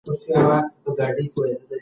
که ښځو سره مشوره وکړو نو کور نه ورانیږي.